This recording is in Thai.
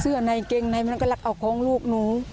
เสื้อในเกงไนก็รักเอาของลูกหนู